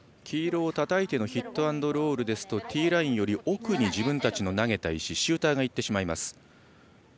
黄色をたたいてのヒットアンドロールですとティーラインより奥に自分たちの投げた石シューターがいってしまいます。